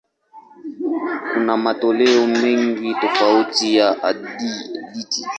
Kuna matoleo mengi tofauti ya hadithi.